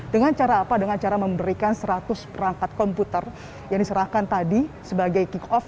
dengan cara apa dengan cara memberikan seratus perangkat komputer yang diserahkan tadi sebagai kick off